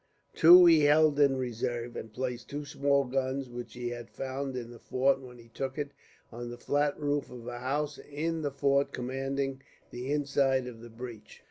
Two he held in reserve, and placed two small guns, which he had found in the fort when he took it, on the flat roof of a house in the fort commanding the inside of the breach.